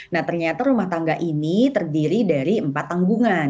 nah ternyata rumah tangga ini terdiri dari empat tanggungan